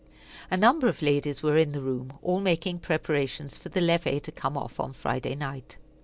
A number of ladies were in the room, all making preparations for the levee to come off on Friday night.